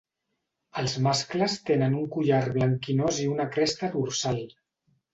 Els mascles tenen un collar blanquinós i una cresta dorsal.